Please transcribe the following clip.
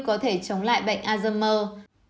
có thể chống lại bệnh alzheimer